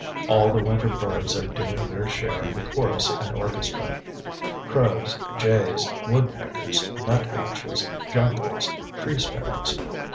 All the winter birds are doing their share in the chorus and orchestra; crows, jays, woodpeckers, nut hatches, juncos, tree sparrows.